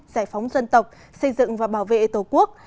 giải phóng dân tộc xây dựng và bảo vệ tổ quốc